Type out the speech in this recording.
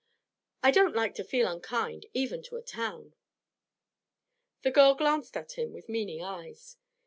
I don't like to feel unkind even to a town.' The girl glanced at him with meaning eyes.